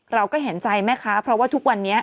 เราก็เห็นใจแม่ค้าเพราะว่าทุกวันนี้